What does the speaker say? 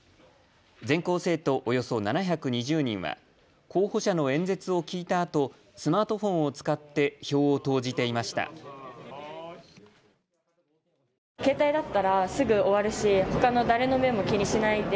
全校生徒およそ７２０人は候補者の演説を聞いたあとスマートフォンを使って票を投じていました。